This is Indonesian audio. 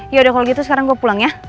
yaudah kalau gitu sekarang gue pulang ya